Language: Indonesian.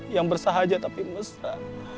yang bersahaja tapi mesra